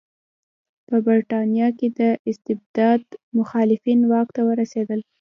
په برېټانیا کې د استبداد مخالفین واک ته ورسېدل.